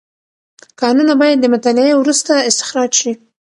کانونه باید د مطالعې وروسته استخراج شي.